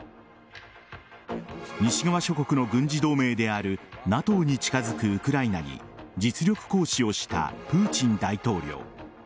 西側諸国の軍事同盟であるＮＡＴＯに近づくウクライナに実力行使をしたプーチン大統領。